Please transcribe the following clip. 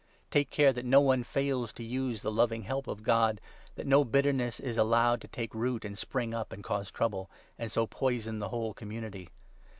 Take care that no one fails to use the 15 loving help of God, 'that no bitterness is allowed to take root and spring up, and cause trouble,' and so poison the whole community.